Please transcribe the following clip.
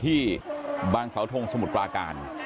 ที่บางสาวทงสมุทรปราการ